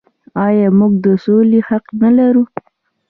آیا موږ د سولې حق نلرو؟